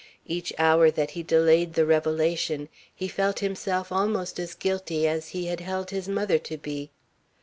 Each hour that he delayed the revelation he felt himself almost as guilty as he had held his mother to be.